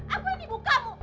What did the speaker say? aku yang dibuka bu